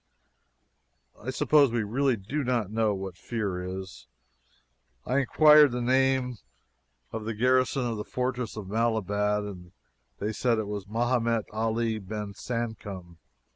I suppose we really do not know what fear is. I inquired the name of the garrison of the fortress of Malabat, and they said it was Mehemet Ali Ben Sancom.